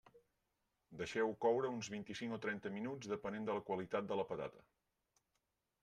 Deixeu-ho coure uns vint-i-cinc o trenta minuts, depenent de la qualitat de la patata.